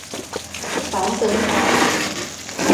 梵本已失。